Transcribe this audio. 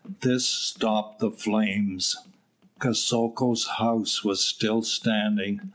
This stopped the flames. Kosoko's house was still standing.